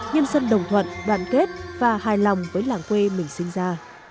nhân dân đồng thuận đoàn kết và hài lòng với làng quê mình sinh ra